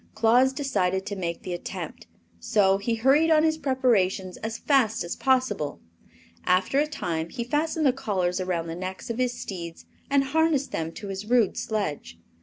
Claus decided to make the attempt, so he hurried on his preparations as fast as possible. After a time he fastened the collars around the necks of his steeds and harnessed them to his rude sledge.